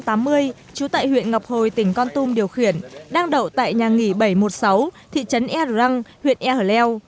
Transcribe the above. trú tại huyện ngọc hồi tỉnh con tum điều khiển đang đậu tại nhà nghỉ bảy trăm một mươi sáu thị trấn e răng huyện ea hở leo